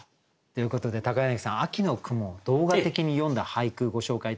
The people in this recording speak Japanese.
ということで柳さん秋の雲を動画的に詠んだ俳句ご紹介頂けますでしょうか。